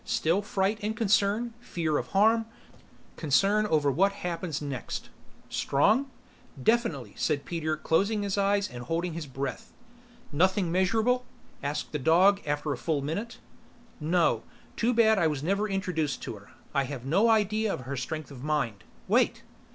Still fright and concern: fear of harm, concern over what happens next." "Strong?" "Definitely," said Peter closing his eyes and holding his breath. "Nothing measurable?" asked the dog after a full minute. "No. Too bad I was never introduced to her. I have no idea of her strength of mind wait!"